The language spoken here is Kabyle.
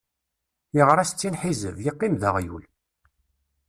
Yeɣra settin ḥizeb, yeqqim d aɣyul.